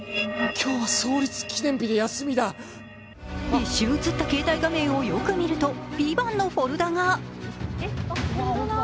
一瞬、映った携帯画面をよく見るとＶＩＶＡＮＴのフォルダが。